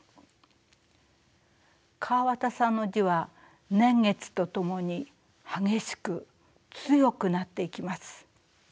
川端さんの字は年月とともに激しく強くなっていきます。